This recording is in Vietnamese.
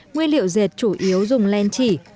nguyên liệu dệt chủ yếu dùng len chỉ